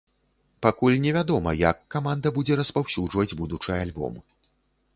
Пакуль невядома, як каманда будзе распаўсюджваць будучы альбом.